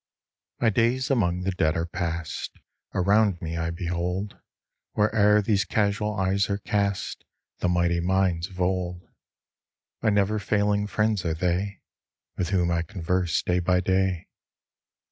My days among the Dead are past; Around me I behold, Where'er these casual eyes are cast, The mighty minds of old: My never failing friends are they, With whom I converse day by day.